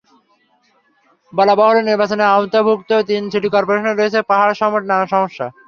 বলা বাহুল্য, নির্বাচনের আওতাভুক্ত তিন সিটি করপোরেশনের রয়েছে পাহাড়সম নানা সমস্যা।